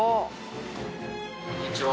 こんにちは。